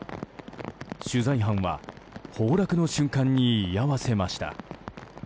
取材班は崩落の瞬間に居合わせました。